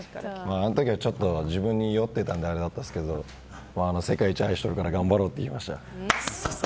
あのときは自分に酔っていたのであれだったんですけど世界一愛してるから頑張ろうって言いました。